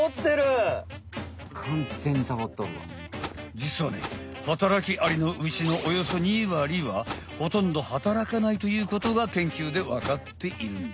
じつはね働きアリのうちのおよそ２割はほとんど働かないということがけんきゅうでわかっているんだ。